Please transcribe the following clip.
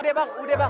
udah bang udah bang